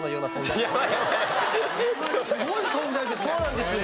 すごい存在ですね。